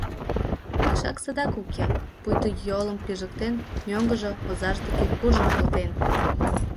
Мешак садак уке, пуйто йолым пижыктен, мӧҥгыжӧ, озаж деке, куржын колтен.